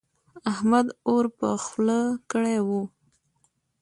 احمد اور په خوله کړې وړي.